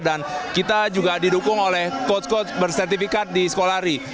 dan kita juga didukung oleh coach coach bersertifikat di sekolari